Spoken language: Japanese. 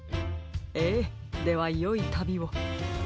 ええではよいたびを。